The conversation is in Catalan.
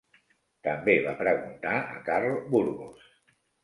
També va preguntar a Carl Burgos.